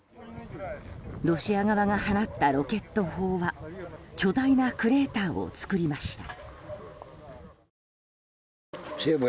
ロシア側が放ったロケット砲は巨大なクレーターを作りました。